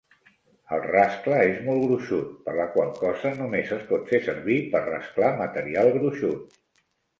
El rascle és molt gruixut, per la qual cosa només es pot fer servir per rasclar material gruixut.